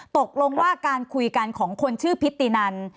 ตกลงว่าการคุยกันของคนชื่อพิธีนัน